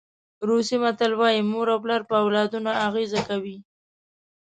روسي متل وایي مور او پلار په اولادونو اغېزه کوي.